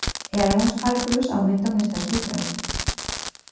E algúns cálculos aumentan estas cifras.